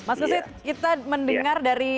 mas lusit kita mendengar dari